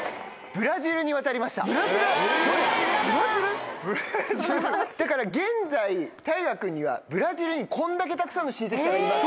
ブラジル⁉ブラジル⁉だから現在大我君にはブラジルにこんだけたくさんの親戚さんがいます。